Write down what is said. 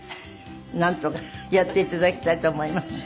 なんとかやっていただきたいと思います。